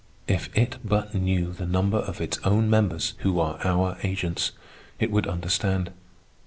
If it but knew the number of its own members who are our agents, it would understand.